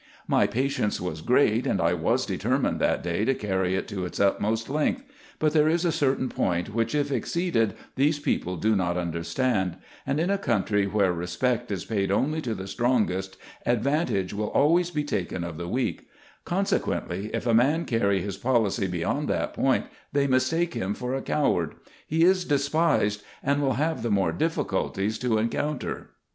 My patience was great, and I was determined that day to carry it to its utmost length : but there is a certain point, which, if exceeded, these people do not understand ; and, in a country where respect is paid only to the strongest, advantage will always be taken of the weak : consequently, if a man carry his policy beyond that point, they mistake him for a coward ; he is despised, and will have the more difficulties to encounter.